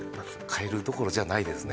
カエルどころじゃないですね